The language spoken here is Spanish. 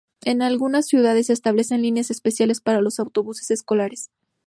En algunas ciudades se establecen líneas especiales para los autobuses escolares.